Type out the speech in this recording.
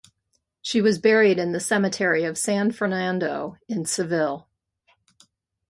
She was buried in the cemetery of San Fernando in Seville.